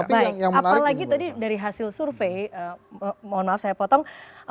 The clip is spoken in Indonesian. baik apalagi tadi dari hasil survei mohon maaf saya potong